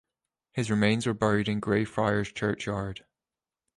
His remains were buried in Greyfriars Churchyard.